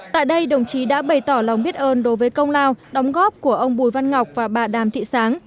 tại đây đồng chí đã bày tỏ lòng biết ơn đối với công lao đóng góp của ông bùi văn ngọc và bà đàm thị sáng